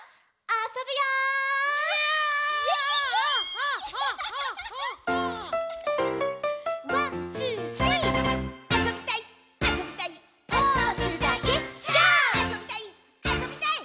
あそびたい！」